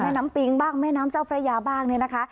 น้ำปิงบ้างแม่น้ำเจ้าพระยาบ้างเนี่ยนะคะ